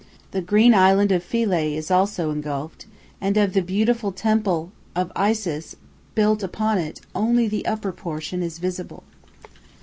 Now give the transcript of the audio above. The green island of Philæ also is engulfed, and of the beautiful temple of Isis built upon it only the upper portion is visible.